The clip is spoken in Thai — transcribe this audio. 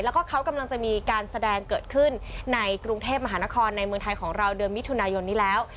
แล้วก็เขากำลังจะมีการแสดงเกิดขึ้นในกรุงเทพมหานครในเมืองไทยของเราเดือนมิถุนายนนี้แล้ว